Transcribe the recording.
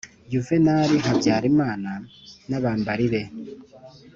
yuvenali habyarimana n' abambari be;